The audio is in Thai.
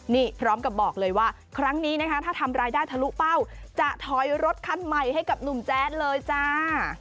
นี่พร้อมกับบอกเลยว่าครั้งนี้นะคะถ้าทำรายได้ทะลุเป้าจะถอยรถคันใหม่ให้กับหนุ่มแจ๊ดเลยจ้า